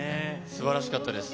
すばらしかったです。